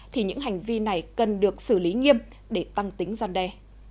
thì những hành vi này cần được xử lý nghiêm để tăng tính gian đe